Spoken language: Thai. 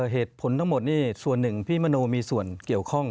เหตุผลทั้งหมดนี่ส่วนหนึ่งพี่มโนมีส่วนเกี่ยวข้อง